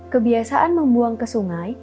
pembangunan membuang ke sungai